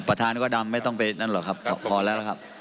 ประธานก็ดำไม่ต้องไปนั่นหรอกครับพอแล้วนะครับ